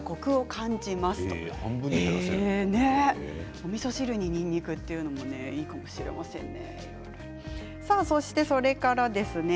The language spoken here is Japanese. おみそ汁ににんにくというのもいいかもしれませんね。